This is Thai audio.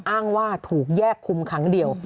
อ้างว่าถูกแยกคุมครั้งเดียว